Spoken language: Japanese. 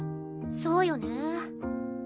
そうよね。